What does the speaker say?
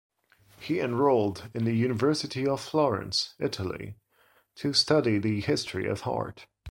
He enrolled in the University of Florence, Italy, to study the history of art.